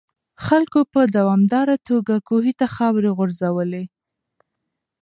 خلکو په دوامداره توګه کوهي ته خاورې غورځولې.